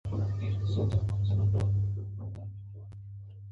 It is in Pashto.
تېرېدلو اجازه نه شو درکولای.